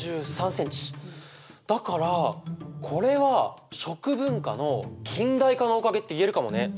だからこれは食文化の近代化のおかげって言えるかもね！